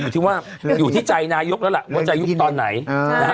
แต่อยู่ที่ใจนายกแล้วแหละ